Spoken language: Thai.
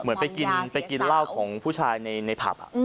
เหมือนไปกินราวของผู้ชายในพับ